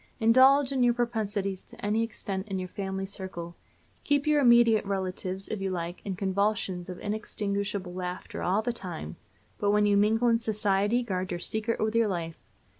Indulge in your propensities to any extent in your family circle; keep your immediate relatives, if you like, in convulsions of inextinguishable laughter all the time; but when you mingle in society guard your secret with your life.